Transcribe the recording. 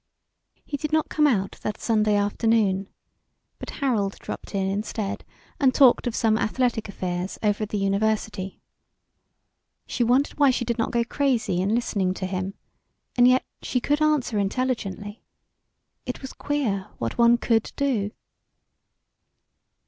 He did not come out that Sunday afternoon, but Harold dropped in instead, and talked of some athletic affairs over at the university. She wondered why she did not go crazy in listening to him, and yet she could answer intelligently. It was queer what one could do.